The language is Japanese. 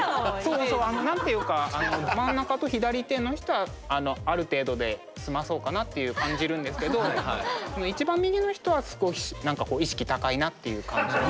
そうそう何ていうか真ん中と左手の人はある程度で済まそうかなっていう感じるんですけど一番右の人は少し何かこう意識高いなっていう感じ。